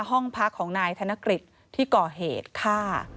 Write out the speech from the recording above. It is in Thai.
ห้องพักของนายธนกฤษที่ก่อเหตุฆ่า